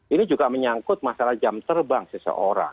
ini juga menyangkut masalah jam terbang seseorang